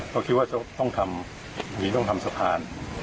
ก็คิดว่าจะต้องทำอย่างนี้ต้องทำสะพาน